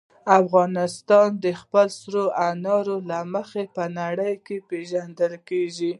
افغانستان د خپلو سرو انارو له مخې په نړۍ کې پېژندل کېږي.